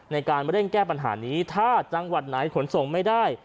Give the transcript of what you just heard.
ในการเร่งแก้ปัญหานี้ถ้าจังหวัดไหนขนส่งไม่ได้